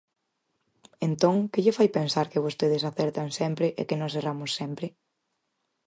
Entón ¿que lle fai pensar que vostedes acertan sempre e que nós erramos sempre?